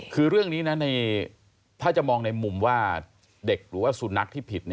คือเรื่องนี้นะถ้าจะมองในมุมว่าเด็กหรือว่าสุนัขที่ผิด